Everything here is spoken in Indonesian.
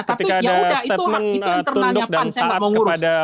ketika ada statement tunduk dan taat kepada